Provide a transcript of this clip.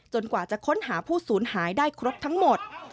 กว่าจะค้นหาผู้สูญหายได้ครบทั้งหมด